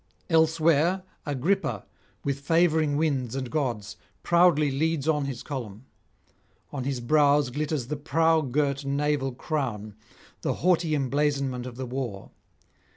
Elsewhere Agrippa, with favouring winds and gods, proudly leads on his column; on his brows glitters the prow girt naval crown, the haughty emblazonment of the war.